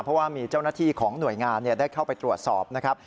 เพราะว่ามีเจ้าหน้าที่ของหน่วยงานได้เข้าไปตรวจสอบนะครับ